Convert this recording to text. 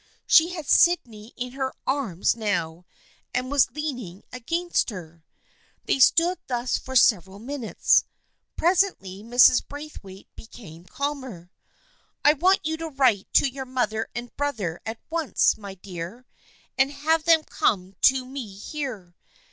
She had Sydney in her arms THE FRIENDSHIP OF ANNE 285 now, and was leaning against her. They stood thus for several minutes. Presently Mrs. Braith waite became calmer. " I want you to write to your mother and brother at once, my dear, and have them come to me here.